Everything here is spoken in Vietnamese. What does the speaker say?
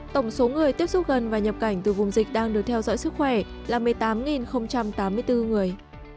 tổng số người tiếp xúc gần và nhập cảnh từ vùng dịch đang được theo dõi sức khỏe là một mươi tám tám mươi bốn người